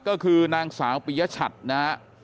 ก็คือนางสาวปียชัดนะฮะ